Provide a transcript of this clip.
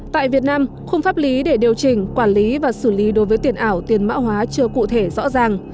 tại việt nam khung pháp lý để điều chỉnh quản lý và xử lý đối với tiền ảo tiền mã hóa chưa cụ thể rõ ràng